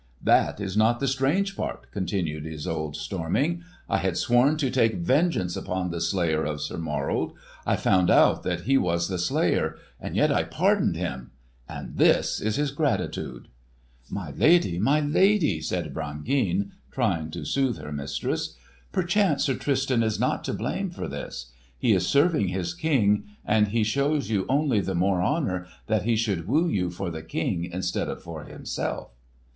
"That is not the strange part," continued Isolde, storming. "I had sworn to take vengeance upon the slayer of Sir Morold. I found out that he was the slayer, and yet I pardoned him! And this is his gratitude!" "My lady, my lady!" said Brangeane, trying to soothe her mistress. "Perchance Sir Tristan is not to blame for this. He is serving his King; and he shows you only the more honour, that he should woo you for the King instead of for himself."